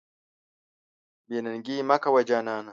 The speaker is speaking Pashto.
بې ننګي مه کوه جانانه.